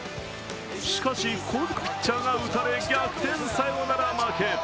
しかし後続ピッチャーが打たれ逆転サヨナラ負け。